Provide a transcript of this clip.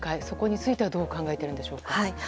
そこについてはどう考えているんでしょうか。